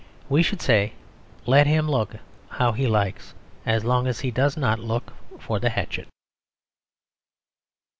We should say, "Let him look how he likes; as long as he does not look for the hatchet."